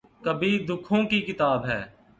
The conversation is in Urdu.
کبھی دکھوں کی کتاب ہے